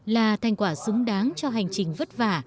là thành quả xứng đáng cho hành trình vất vả